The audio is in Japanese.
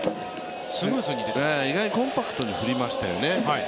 意外にコンパクトに振りましたよね。